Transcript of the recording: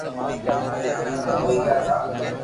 ختم ھوئي گيا تا